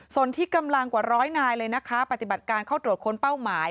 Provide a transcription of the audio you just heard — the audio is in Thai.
ส่วนที่กำลังกว่าร้อยนายเลยนะคะปฏิบัติการเข้าตรวจค้นเป้าหมาย